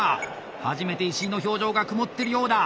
初めて石井の表情が曇ってるようだ。